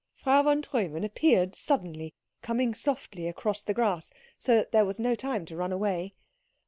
Frau von Treumann appeared suddenly, coming softly across the grass, so that there was no time to run away.